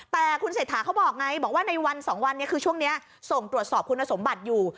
แต่คุณเศรษฐาเขาบอกไงบอกว่าในวัน๒วันนี้คือช่วงนี้ส่งตรวจสอบคุณสมบัติอยู่